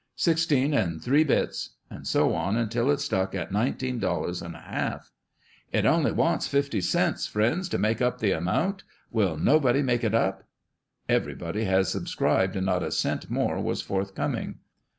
"Six teen and three bits," and so on until it stuck at nineteen dollars and a half. " It only wants fifty cents, friends, to make up the amount. Will nobody make it up ?" Everybody had sub scribed, and not a cent more was forth coming.